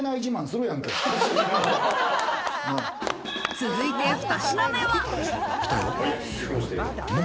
続いて、２品目は。